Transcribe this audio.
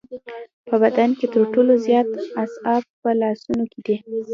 په بدن کې تر ټولو زیات اعصاب په لاسونو کې دي.